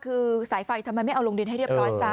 คือสายไฟทำไมไม่เอาลงดินให้เรียบร้อยซะ